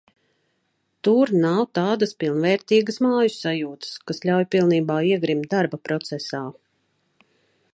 Tur nav tādas pilnvērtīgas māju sajūtas, kas ļauj pilnībā iegrimt darba procesā.